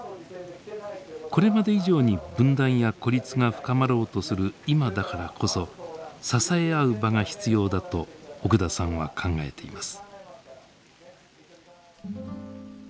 これまで以上に分断や孤立が深まろうとする今だからこそ支え合う場が必要だと奥田さんは考えています。